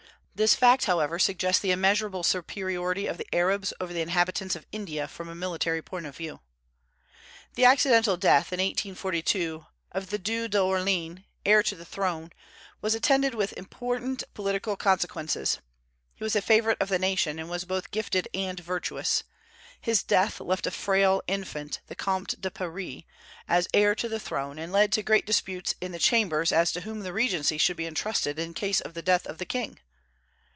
This fact, however, suggests the immeasurable superiority of the Arabs over the inhabitants of India from a military point of view. The accidental death, in 1842, of the Due d'Orléans, heir to the throne, was attended with important political consequences. He was a favorite of the nation, and was both gifted and virtuous. His death left a frail infant, the Comte de Paris, as heir to the throne, and led to great disputes in the Chambers as to whom the regency should be intrusted in case of the death of the king.